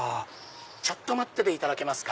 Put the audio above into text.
ちょっと待ってていただけますか。